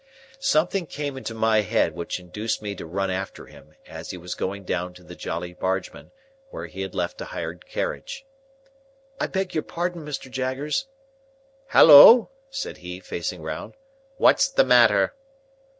Something came into my head which induced me to run after him, as he was going down to the Jolly Bargemen, where he had left a hired carriage. "I beg your pardon, Mr. Jaggers." "Halloa!" said he, facing round, "what's the matter?"